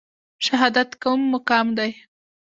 شهادت کوم مقام دی؟